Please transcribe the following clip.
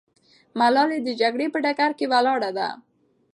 ملالۍ د جګړې په ډګر کې ولاړه ده.